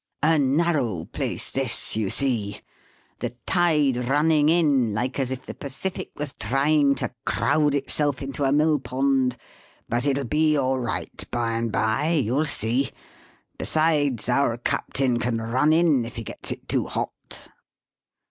" A narrow place this, you see. The tide running in like as if the Pacific was trying to Digitized by VjOOQIC 42 EAST BY WEST. crowd itself into a mill pond. But it'll be all right by and by, you'll see. Besides, our captain can run in if he gets it too hot."